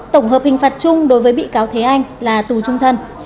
tổng hợp hình phạt chung đối với bị cáo thế anh là tù trung thân